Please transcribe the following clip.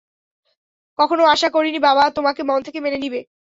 কখনো আাশা করিনি বাবা তোমাকে মন থেকে মেনে নিবে।